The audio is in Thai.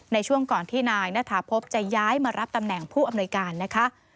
ในช่วงก่อนที่นายณฐาพบจะย้ายมารับตำแหน่งผู้อำนวยการนะคะ